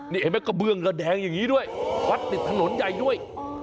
นี่เห็นไหมกระเบื้องระแดงอย่างนี้ด้วยวัดติดถนนใหญ่ด้วย